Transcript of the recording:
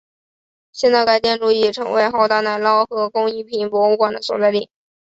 现在该建筑已成为豪达奶酪和工艺品博物馆的所在地。